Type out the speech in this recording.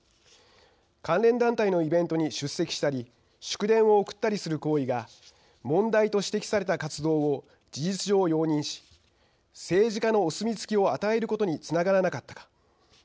関連団体のイベントに出席したり祝電を送ったりする行為が問題と指摘された活動を事実上、容認し政治家のお墨付きを与えることにつながらなかったか。